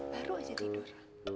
baru aja tidur